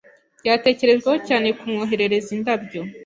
Byatekerejweho cyane kumwoherereza indabyo.